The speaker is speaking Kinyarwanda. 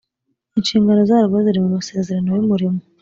inshingano zarwo ziri mu masezerano y’umurimo